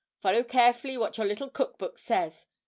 Follow carefully what your little Cook Book says.